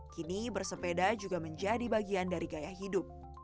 kini bersepeda juga menjadi bagian dari gaya hidup